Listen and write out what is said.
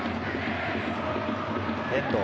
遠藤。